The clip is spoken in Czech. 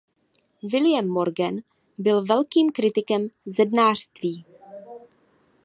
William Morgan byl velkým kritikem zednářství.